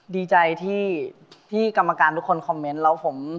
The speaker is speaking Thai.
ดีใจที่กรรมการทุกคนคอมเมนต์แล้วผม